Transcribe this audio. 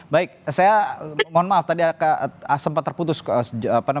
baik saya mohon maaf tadi sempat terputus